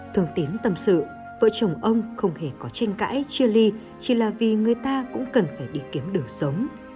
thương tín tâm sự vợ chồng ông không hề có tranh cãi chia ly chỉ là vì người ta cũng cần phải đi kiếm đường sống